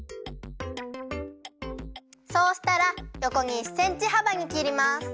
そうしたらよこに１センチはばにきります。